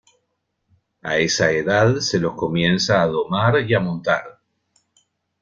A esa edad se los comienza a domar y a montar.